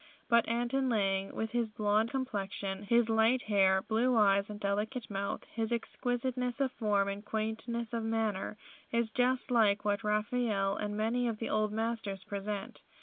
But Anton Lang, with his blonde complexion, his light hair, blue eyes and delicate mouth, his exquisiteness of form and quietness of manner, is just like what Raphael and many of the old masters present.